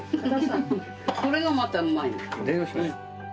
それがまたうまいんだ。